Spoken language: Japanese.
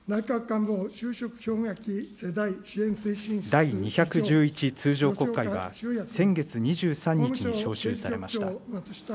第２１１通常国会は先月２３日に召集されました。